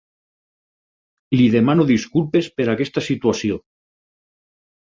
Li demano disculpes per aquesta situació.